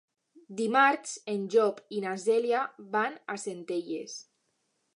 Dimarts en Llop i na Cèlia van a Centelles.